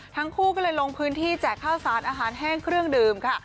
ทั้งคู่ก็เลยลงพื้นที่แจกข้าวสารอาหารแห้งเครื่องดื่มค่ะ